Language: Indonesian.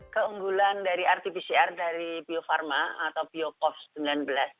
keunggulan dari rt pcr dari bio farma atau biocov sembilan belas